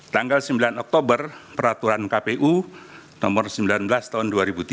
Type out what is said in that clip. tanggal sembilan oktober peraturan kpu nomor sembilan belas tahun dua ribu tiga